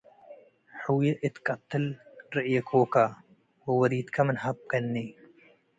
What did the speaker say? ሑዬ እት ትቀት'ል ርኤኮከ፣ ወወሪድከ ምን ሀብከኒ'